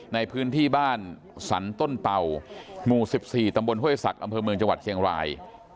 ในพื้นที่บ้านสรรต้นเป่าหมู่๑๔ตำบลห้วยศักดิ์อำเภอเมืองจังหวัดเชียงราย